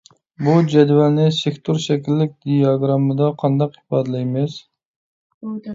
بۇ جەدۋەلنى سېكتور شەكىللىك دىياگراممىدا قانداق ئىپادىلەيمىز؟